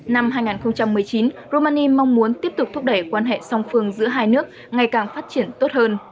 năm hai nghìn một mươi chín romani mong muốn tiếp tục thúc đẩy quan hệ song phương giữa hai nước ngày càng phát triển tốt hơn